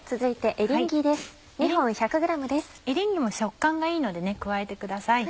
エリンギも食感がいいので加えてください。